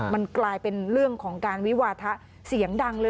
มันกลายเป็นเรื่องของการวิวาทะเสียงดังเลย